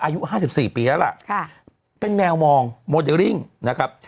อายุ๕๔ปีแล้วล่ะเป็นแมวมองโมเดลริ่งนะครับ